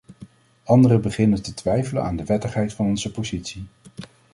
Anderen beginnen te twijfelen aan de wettigheid van onze positie.